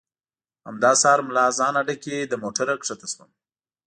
همدا سهار ملا اذان اډه کې له موټره ښکته شوم.